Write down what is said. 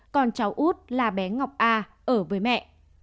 còn cháu út là bé ngọc a ở với mẹ